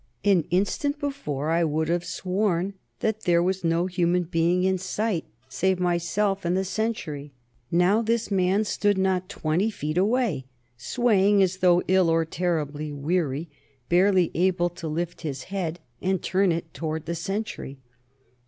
An instant before, I would have sworn that there was no human in sight, save myself and the sentry; now this man stood not twenty feet away, swaying as though ill or terribly weary, barely able to lift his head and turn it toward the sentry.